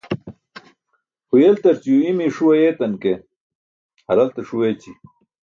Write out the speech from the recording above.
Huyeltarc yuu i̇mi̇ye ṣuu ayeetan ke, haralte ṣuu eeći̇.